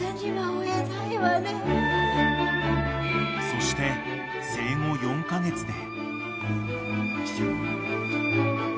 ［そして生後４カ月で］